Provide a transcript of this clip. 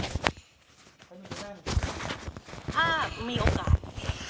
ถ้ามีโอกาส